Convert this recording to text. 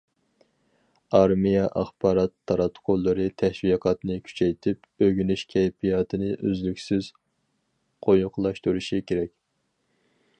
ئارمىيە ئاخبارات تاراتقۇلىرى تەشۋىقاتنى كۈچەيتىپ، ئۆگىنىش كەيپىياتىنى ئۆزلۈكسىز قويۇقلاشتۇرۇشى كېرەك.